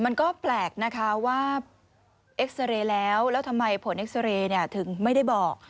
มันก็แปลกนะคะว่าเอ็กซาเรย์แล้วแล้วทำไมผลเอ็กซาเรย์ถึงไม่ได้บอก